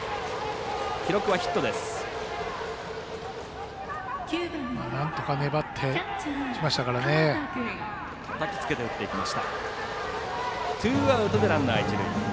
記録はヒットです。